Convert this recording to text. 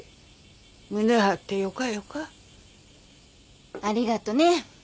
胸張ってよかよか。ありがとね。